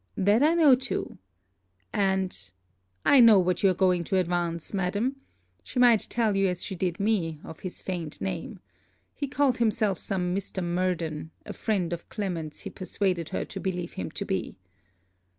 'That I know too. And .' 'I know what you are going to advance, Madam. She might tell you as she did me, of his feigned name. He called himself some Mr. Murden; a friend of Clement's he persuaded her to believe him to be.'